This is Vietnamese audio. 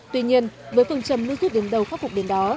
tuy nhiên với phần trầm nước rút đến đâu khắc phục đến đó